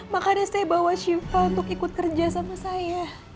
makanya saya bawa shiva untuk ikut kerja sama saya